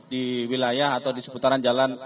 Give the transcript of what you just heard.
di wilayah atau di seputaran jalan